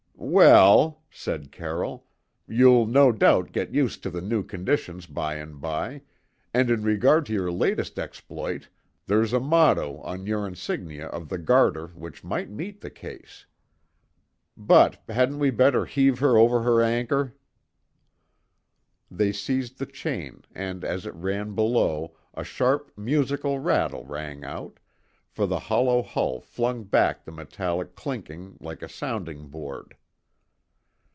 "Well," said Carroll, "you'll no doubt get used to the new conditions by and by, and in regard to your latest exploit there's a motto on your insignia of the Garter which might meet the case. But hadn't we better heave her over her anchor?" They seized the chain and as it ran below a sharp, musical rattle rang out, for the hollow hull flung back the metallic clinking like a sounding board.